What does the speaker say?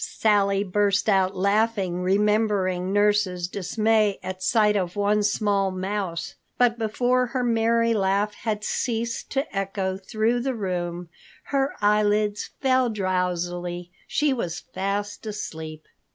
Sally burst out laughing, remembering nurse's dismay at sight of one small mouse. But before her merry laugh had ceased to echo through the room, her eyelids fell drowsily. She was fast asleep.